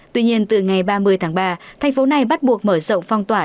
tuy nhiên từ ngày ba mươi tháng ba thành phố này bắt buộc mở rộng phong tỏa